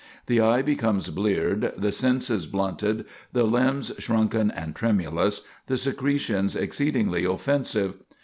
The eye becomes bleared, the senses blunted, the limbs shrunken and tremulous, the secretions exceedingly offensive.